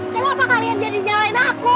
kenapa kalian jadi jalan aku